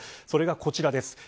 それがこちらです。